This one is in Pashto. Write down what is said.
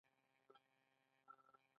هغه د آرام زړه پر مهال د مینې خبرې وکړې.